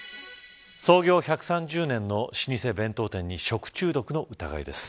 創業１３０年の老舗弁当店に食中毒の疑いです。